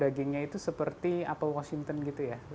dagingnya itu seperti apple washington gitu ya